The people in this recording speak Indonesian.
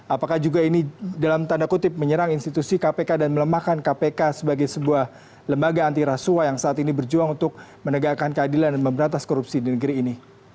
apakah juga ini dalam tanda kutip menyerang institusi kpk dan melemahkan kpk sebagai sebuah lembaga antirasua yang saat ini berjuang untuk menegakkan keadilan dan memberantas korupsi di negeri ini